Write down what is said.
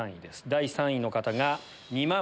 第３位の方が２万。